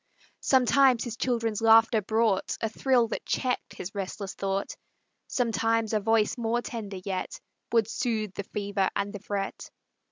Sometimes his children's laughter brought A thrill that checked his restless thought; Sometimes a voice more tender yet Would soothe the fever and the fret.